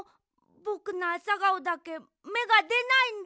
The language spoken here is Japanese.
ぼくのアサガオだけめがでないんだ。